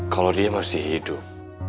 kalau dia masih hidup